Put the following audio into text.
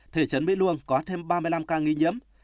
thị trấn mỹ luông có thêm ba mươi năm ca nghi nhiễm